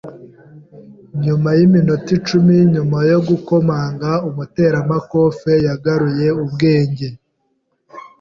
Nyuma yiminota icumi nyuma yo gukomanga, umuteramakofe yagaruye ubwenge.